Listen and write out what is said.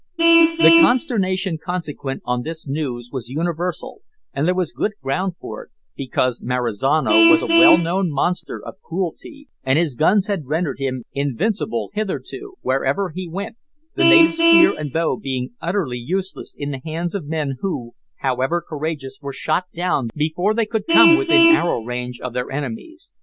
The consternation consequent on this news was universal, and there was good ground for it, because Marizano was a well known monster of cruelty, and his guns had rendered him invincible hitherto, wherever he went, the native spear and bow being utterly useless in the hands of men who, however courageous, were shot down before they could come within arrow range of their enemies.